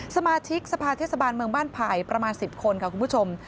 สมาชิกสภาเทศบาลเมืองบ้านไผ่ประมาณ๑๐คนค่ะคุณผู้ชม